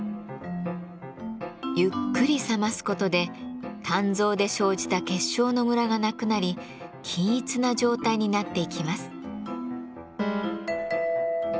ゆっくり冷ます事で鍛造で生じた結晶のムラがなくなり均一な状態になっていきます。